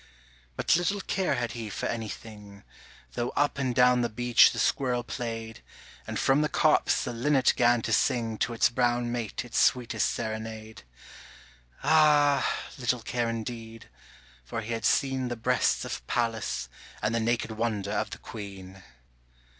But little care had he for any thing Though up and down the beech the squirrel played, And from the copse the linnet 'gan to sing To its brown mate its sweetest serenade; Ah! little care indeed, for he had seen The breasts of Pallas and the naked wonder of the Queen.